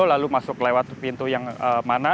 lalu masuk lewat pintu yang mana